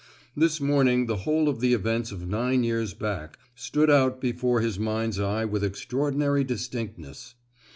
This morning the whole of the events of nine years back stood out before his mind's eye with extraordinary distinctness.